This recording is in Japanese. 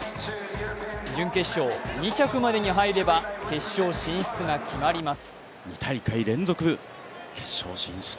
準決勝２着までに入れば決勝進出が決まります。